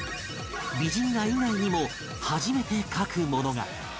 美人画以外にも初めて描くものが